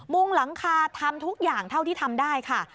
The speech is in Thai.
งหลังคาทำทุกอย่างเท่าที่ทำได้ค่ะ